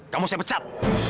kamu saya pecat